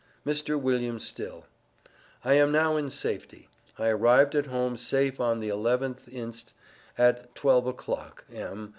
MR. WILLIAM STILL: I am now in safety. I arrived at home safe on the 11th inst at 12 o'clock M.